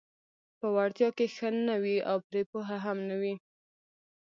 په وړتیا کې ښه نه وي او پرې پوه هم نه وي: